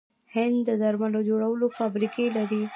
هند د درملو جوړولو فابریکې لري.